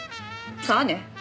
さあね。